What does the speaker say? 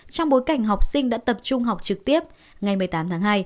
trong bối cảnh học sinh đã tập trung học trực tiếp ngày một mươi tám tháng hai